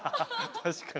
確かに。